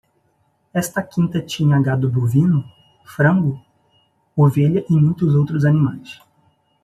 Esta quinta tinha gado bovino? frango? ovelha e muitos outros animais.